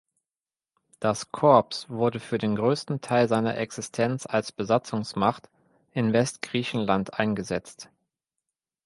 Das Korps wurde für den größten Teil seiner Existenz als Besatzungsmacht in Westgriechenland eingesetzt.